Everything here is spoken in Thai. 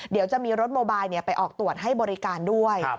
เดี๋ยวจะมีรถโมบายไปออกตรวจให้บริการด้วย